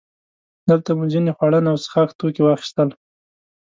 دلته مو ځینې خوړن او څښاک توکي واخیستل.